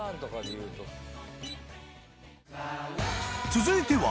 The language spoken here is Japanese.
［続いては］